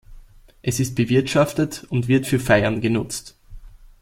Es ist bewirtschaftet und wird für Feiern genutzt.